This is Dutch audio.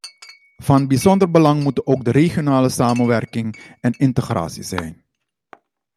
Van bijzonder belang moeten ook de regionale samenwerking en de integratie zijn.